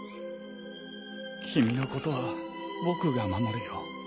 君のことは僕が守るよ。